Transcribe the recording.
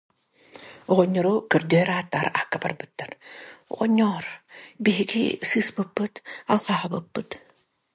Оҕонньору көрдөһөр, ааттаһар аакка барбыттар: «Оҕонньоор, биһиги сыыспыппыт, алҕаһаабыппыт